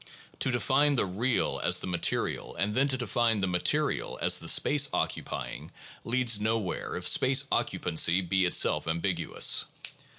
To define the 'real' as the 'material,' and then to define the 'material' as the 'space occupying,' leads nowhere if space occupancy be itself ambiguous.